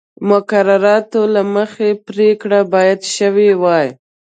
مقرراتو له مخې پرېکړه باید شوې وای.